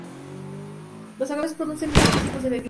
Los agaves producen distintos tipos de bebida.